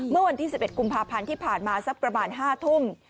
เมื่อวันที่๑๑กุมภาพันธ์ที่ผ่านมาสักประมาณ๕ทุ่ม